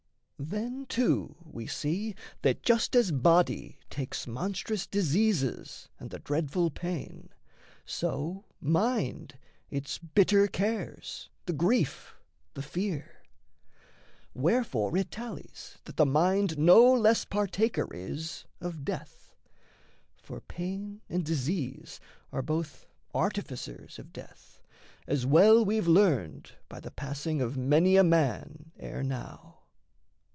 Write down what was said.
Then, too, we see, that, just as body takes Monstrous diseases and the dreadful pain, So mind its bitter cares, the grief, the fear; Wherefore it tallies that the mind no less Partaker is of death; for pain and disease Are both artificers of death, as well We've learned by the passing of many a man ere now.